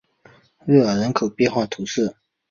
热尔人口变化图示